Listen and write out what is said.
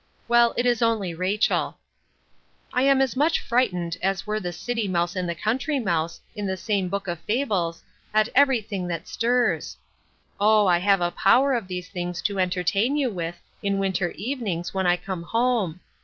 Well, it is only Rachel. I am as much frighted, as were the city mouse and the country mouse, in the same book of fables, at every thing that stirs. O! I have a power of these things to entertain you with in winter evenings, when I come home.